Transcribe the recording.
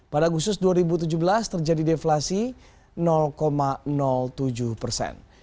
pada agustus dua ribu tujuh belas terjadi deflasi tujuh persen